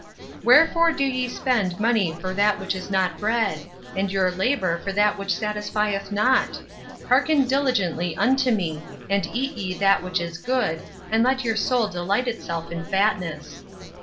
" Wherefore do ye spend money for that which is not bread? and your labor for that which satisfieth not? Hearken diligently unto me, and eat ye that which is good, and let your soul delight itself in fatness."